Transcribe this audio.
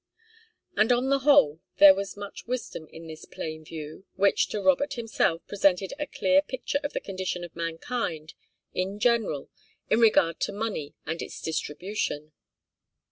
And on the whole, there was much wisdom in this plain view, which to Robert himself presented a clear picture of the condition of mankind in general in regard to money and its distribution.